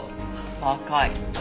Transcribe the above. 若い。